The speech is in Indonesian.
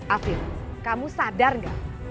afif kamu sadar gak